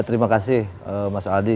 terima kasih mas aldi